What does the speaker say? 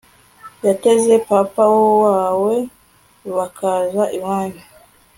yateze papa wawe bakaza iwanyu